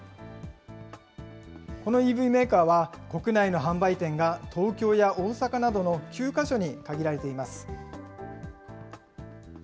このＥＶメーカーは、国内の販売店が東京や大阪などの９か所に限られています。